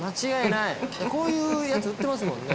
こういうやつ売ってますもんね